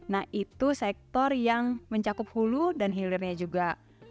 nah itu sektor yang mencakup hulu dan hilirnya juga